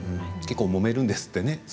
結構、もめるんですってね。